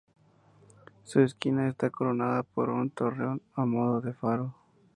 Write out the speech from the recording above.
Su esquina está coronada por un torreón a modo de faro.